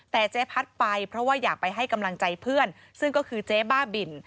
แต่เจ๊พัดไปเพราะว่าอยากไปให้กำลังใจเพื่อนซึ่งก็คือเจ๊บ้าบิน